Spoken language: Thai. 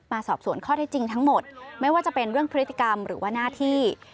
สอบสวนข้อที่จริงทั้งหมดไม่ว่าจะเป็นเรื่องพฤติกรรมหรือว่าหน้าที่